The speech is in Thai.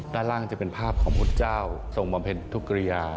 ด้านล่างจะเป็นภาพของพุทธเจ้าทรงบำเพ็ญทุกกริยา